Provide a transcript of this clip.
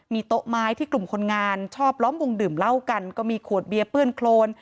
มีโต๊ะไม้ที่กลุ่มคนงานชอบล้อมวงดื่มเหล้ากันก็มีขวดเบียร์เปื้อนโครน